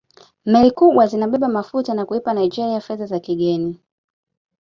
Meli kubwa zinabeba mafuta na kuipa Naigeria fedha za kigeni